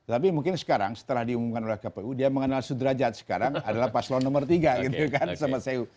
tapi mungkin sekarang setelah diumumkan oleh kpu dia mengenal sudrajat sekarang adalah paslon nomor tiga gitu kan sama saya